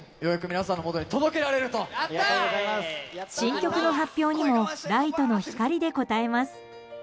新曲の発表にもライトの光で応えます。